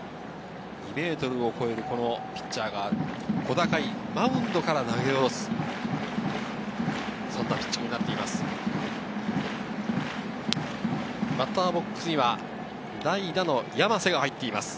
２ｍを超えるピッチャーが、小高いマウンドから投げ下ろす、そんなピッチングになっています。